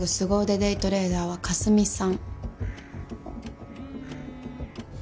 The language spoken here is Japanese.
デイトレーダーはかすみさん。